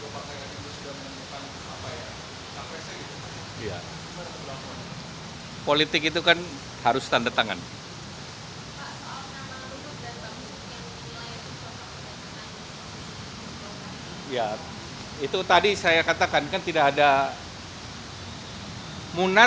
kalau tidak gua paksa yang tentu sudah menemukan apa ya tak resah gitu